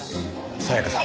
サヤカさん